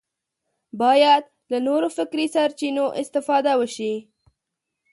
باید له نورو فکري سرچینو استفاده وشي